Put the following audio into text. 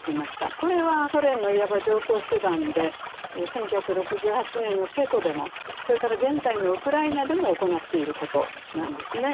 これはソ連のいわば常套手段で１９６８年のチェコでもそれから現在のウクライナでも行っていることなんですね。